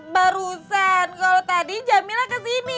barusan kalau tadi jamila kesini